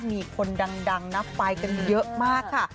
มีคนดังนักปลายเยอะมากค่ะ